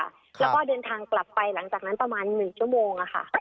แล้วก็เดินทางกลับไปหลังจากนั้นประมาณ๑ชั่วโมงค่ะ